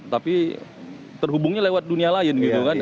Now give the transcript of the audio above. tapi terhubungnya lewat dunia lain gitu kan